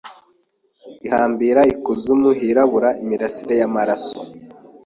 ihambira ikuzimu hirabura imirasire yamaraso